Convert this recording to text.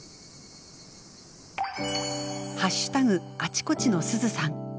「＃あちこちのすずさん」。